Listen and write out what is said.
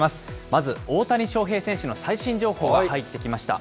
まず大谷翔平選手の最新情報が入ってきました。